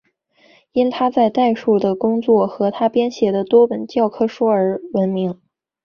因他在代数的工作和他编写的多本教科书而闻名。